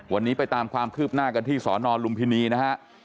วันนี้ไปตามความคืบหน้ากันที่สนลุมพินีนะฮะ